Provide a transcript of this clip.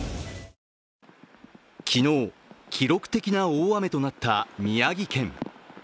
昨日、記録的な大雨となった宮城県。